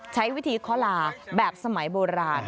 ใช้วิธีเคาะลาแบบสมัยโบราณ